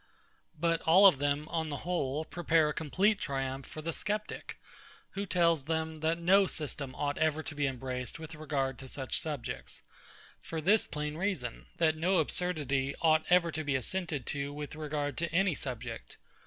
But all of them, on the whole, prepare a complete triumph for the Sceptic; who tells them, that no system ought ever to be embraced with regard to such subjects: For this plain reason, that no absurdity ought ever to be assented to with regard to any subject.